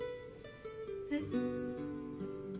えっ？